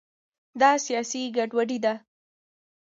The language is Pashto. دا سیاسي ګډوډي ده.